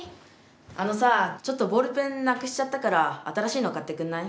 あのさちょっとボールペンなくしちゃったから新しいの買ってくんない？